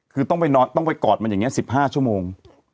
คือต้องไปกอดมันอย่างนี้๑๕ชั่วโมง